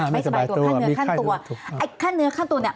ไม่สบายตัวค่าเนื้อขั้นตัวไอ้ค่าเนื้อขั้นตัวเนี่ย